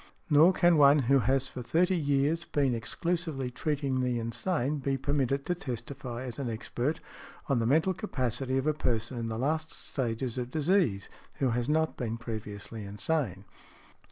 Nor can one who has for thirty years been exclusively treating the insane be permitted to testify, as an expert, on |113| the mental capacity of a person in the last stages of disease, who has not been previously insane .